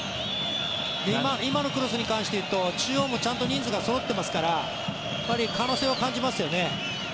今のクロスに関して言うと中央もちゃんと人数がそろってますからやっぱり可能性を感じますよね。